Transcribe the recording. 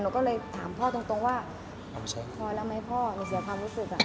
ก็เลยถามพ่อตรงว่าพอแล้วไหมพ่อหนูเสียความรู้สึก